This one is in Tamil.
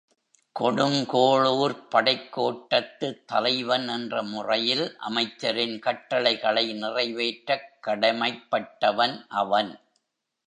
கொடுங்கோளூர்ப் படைக்கோட்டத்துத் தலைவன் என்ற முறையில் அமைச்சரின் கட்டளைகளை நிறைவேற்றக் கடமைப் பட்டவன் அவன்.